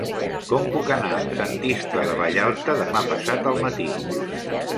Com puc anar a Sant Iscle de Vallalta demà passat al matí?